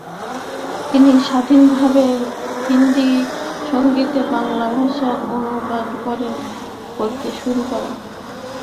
তিনি স্বাধীনভাবে হিন্দী সঙ্গীতকে বাংলা ভাষায় অনুবাদ করতে শুরু করেন।